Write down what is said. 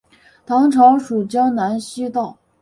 唐朝属江南西道。